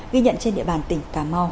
ghi nhận trên địa bàn tỉnh